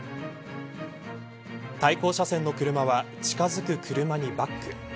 対向車線の車は近づく車にバック。